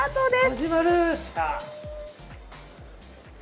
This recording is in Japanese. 始まる！